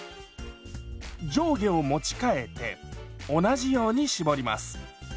上下を持ち替えて同じように絞ります。